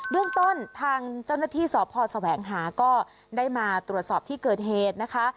เรื่องต้นทางเจ้าหน้าที่สพแสวงหาก็ได้มาตรวจสอบที่เกิดเหตุนะคะ